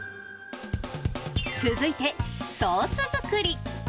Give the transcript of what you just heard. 続いてソース作り。